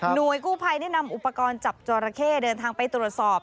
โดยกู้ภัยได้นำอุปกรณ์จับจอราเข้เดินทางไปตรวจสอบ